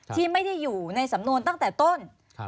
ที่ไม่ได้อยู่ในสำนวนตั้งแต่ต้น